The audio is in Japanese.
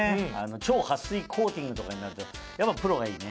超撥水コーティングとかになるとやっぱプロがいいね。